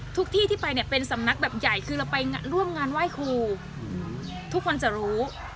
ที่ที่ไปเนี่ยเป็นสำนักแบบใหญ่คือเราไปร่วมงานไหว้ครูทุกคนจะรู้